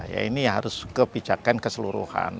ya ini harus kebijakan keseluruhan